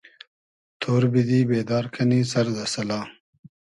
تۉر بیدی , بېدار کئنی سئر دۂ سئلا